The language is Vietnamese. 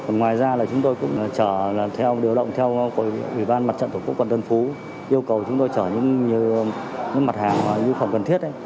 ngoài ra là chúng tôi cũng chở theo điều động của ủy ban mặt trận thủ quận tân phú yêu cầu chúng tôi chở những mặt hàng nguồn thực phẩm cần thiết